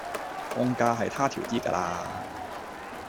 放假係他條 D 架啦